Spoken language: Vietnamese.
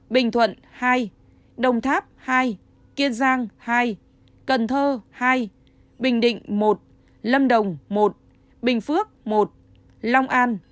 bình thuận hai đồng tháp hai kiên giang hai cần thơ hai bình định một lâm đồng một bình phước một long an